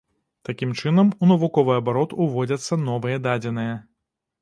Такім чынам у навуковы абарот уводзяцца новыя дадзеныя.